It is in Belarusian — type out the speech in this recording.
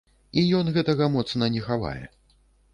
І ён гэтага моцна не хавае.